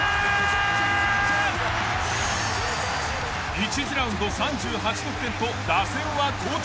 １次ラウンド３８得点と打線は好調。